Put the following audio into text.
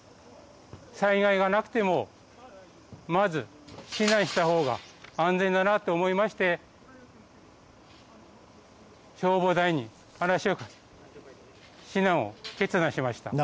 災害がなくてもまず、避難したほうが安全だなと思いまして消防団員に話をし避難を決断しました。